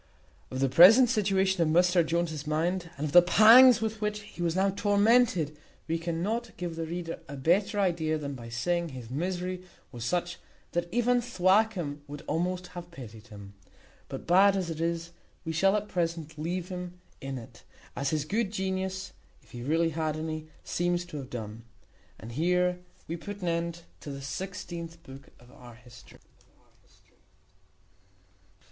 Of the present situation of Mr Jones's mind, and of the pangs with which he was now tormented, we cannot give the reader a better idea than by saying, his misery was such that even Thwackum would almost have pitied him. But, bad as it is, we shall at present leave him in it, as his good genius (if he really had any) seems to have done. And here we put an end to the sixteenth book of our history.